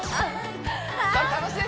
楽しい！